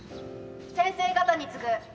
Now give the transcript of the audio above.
・先生方に告ぐ。